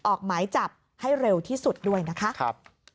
ออกหมายจับให้เร็วที่สุดด้วยนะคะ